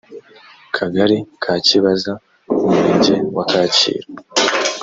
kagari ka kibaza umurenge wa kacyiru